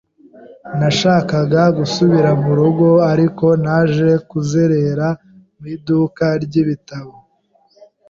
Nashakaga gusubira mu rugo, ariko naje kuzerera mu iduka ry'ibitabo.